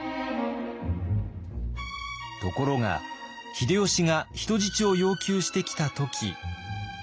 ところが秀吉が人質を要求してきた時。